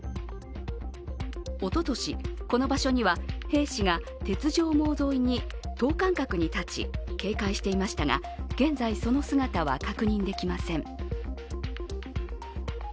おととし、この場所には兵士が鉄条網沿いに等間隔に立ち警戒していましたが、現在、その姿は確認できません。